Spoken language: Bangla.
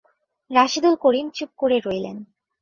রাশেদুল করিম চুপ করে রইলেন।